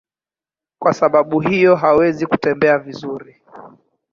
Kwa sababu hiyo hawawezi kutembea vizuri.